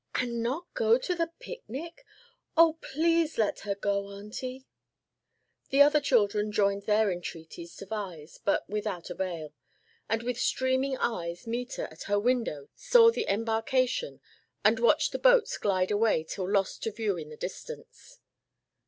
"And not go to the picnic? Oh please let her go, auntie!" The other children joined their entreaties to Vi's, but without avail; and with streaming eyes Meta, at her window, saw the embarkation, and watched the boats glide away till lost to view in the distance.